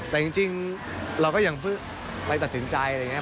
แต่จริงเราก็ยังเพิ่งไปตัดสินใจอะไรอย่างนี้